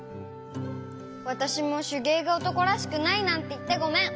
わたしもしゅげいがおとこらしくないなんていってごめん！